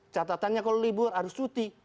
catatannya kalau libur harus cuti